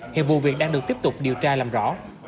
hiện vụ việc đang được tiếp tục điều tra làm rõ